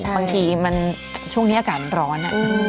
บางทีมันช่วงนี้อากาศมันร้อน